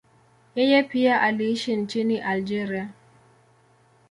Yeye pia aliishi nchini Algeria.